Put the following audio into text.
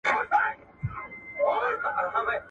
o شرم د ايمان پوښ دئ، چي شرم نلري ايمان ئې وروست دئ.